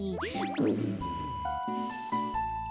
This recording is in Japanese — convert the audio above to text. うん！